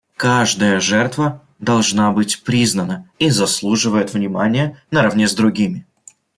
Каждая жертва должна быть признана и заслуживает внимания наравне с другими.